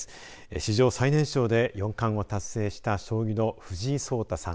史上最年少で四冠を達成した将棋の藤井聡太さん。